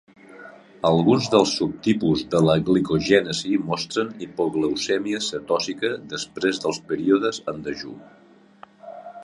Alguns dels subtipus de la glicogènesi mostren hipoglucèmia cetòsica després de períodes en dejú.